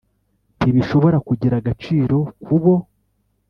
ntibishobora kugira agaciro ku bo